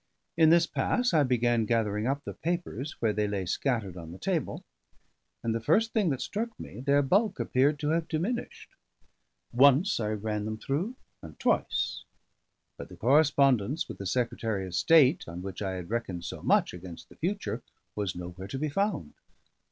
In this pass I began gathering up the papers where they lay scattered on the table; and the first thing that struck me, their bulk appeared to have diminished. Once I ran them through, and twice; but the correspondence with the Secretary of State, on which I had reckoned so much against the future, was nowhere to be found.